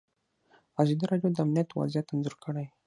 ازادي راډیو د امنیت وضعیت انځور کړی.